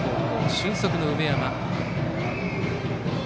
俊足の梅山。